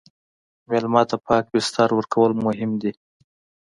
مېلمه ته پاک بستر ورکول مهم دي.